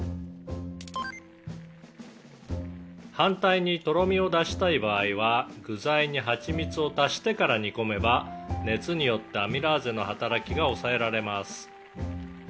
「反対にとろみを出したい場合は具材にはちみつを足してから煮込めば熱によってアミラーゼの働きが抑えられます」